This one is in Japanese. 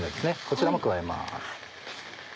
こちらも加えます。